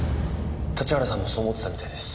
立原さんもそう思ってたみたいです。